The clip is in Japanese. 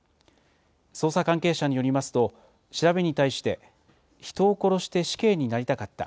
捜査関係者によりますと、調べに対して、人を殺して死刑になりたかった。